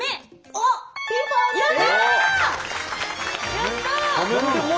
やった！